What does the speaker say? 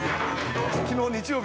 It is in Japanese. きのう日曜日